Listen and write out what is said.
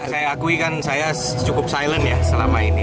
saya akui kan saya cukup silent ya selama ini